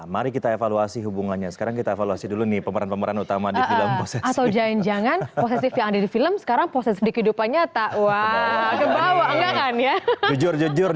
mari kita evaluasi hubungan sebelum terlanjur